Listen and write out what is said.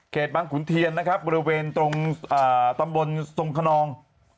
เขตบางขุนเทียนบริเวณตำบลทรงขนอง